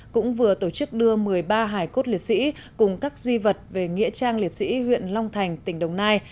cũng vừa tổ chức đưa một mươi ba hải cốt liệt sĩ cùng các di vật về nghĩa trang liệt sĩ huyện long thành tỉnh đồng nai